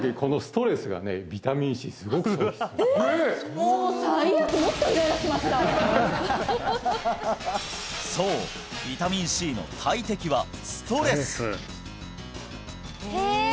もう最悪そうビタミンＣの大敵はストレスへえへえ